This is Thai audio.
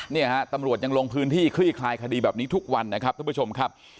เนี่ยฮะตำรวจยังลงพื้นที่คลี่คลายคดีแบบนี้ทุกวันนะครับท่านผู้ชมครับ